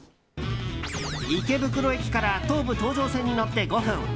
池袋駅から東武東上線に乗って５分。